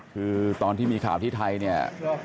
คือตอนที่มีข่าวที่ไทยเนี่ย